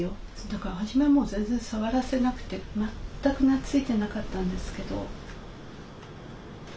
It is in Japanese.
だから初めは全然触らせなくて全くなついてなかったんですけど。